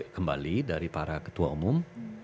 kembali dari para ketua umum